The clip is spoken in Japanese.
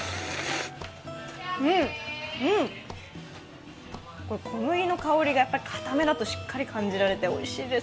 うん、小麦の香りが、かためだとしっかり感じられておいしいです。